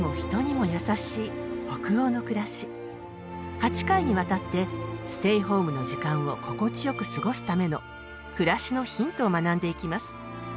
８回にわたってステイホームの時間を心地よく過ごすための暮らしのヒントを学んでいきます。